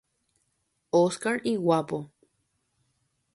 Oscar iguápo.